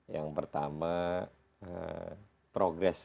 yang pertama progresnya